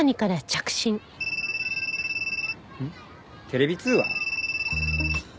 テレビ通話？